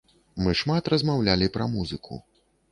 Мы шмат размаўлялі пра музыку.